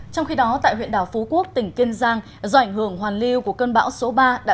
trong khi đó tại huyện đảo phú quốc tỉnh kiên giang do ảnh hưởng hoàn lưu của cơn bão số ba